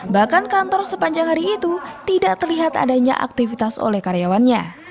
bahkan kantor sepanjang hari itu tidak terlihat adanya aktivitas oleh karyawannya